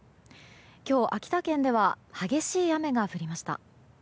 今日、秋田県では激しい雨が降りました。